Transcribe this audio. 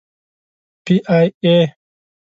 پی ای اې.